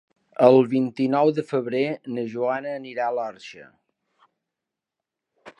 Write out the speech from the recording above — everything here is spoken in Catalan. El vint-i-nou de febrer na Joana irà a l'Orxa.